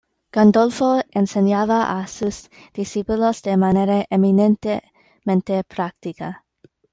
Gandolfo enseñaba a sus discípulos de manera eminentemente práctica.